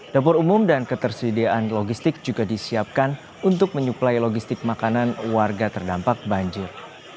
dapur umum dan ketersediaan logistik juga disiapkan untuk menyuplai logistik makanan warga terdampak banjir